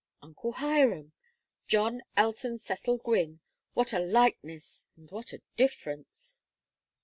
"Uncle Hiram John Elton Cecil Gwynne! What a likeness and what a difference!"